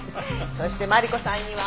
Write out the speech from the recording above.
そしてマリコさんには。